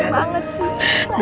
pinter banget sih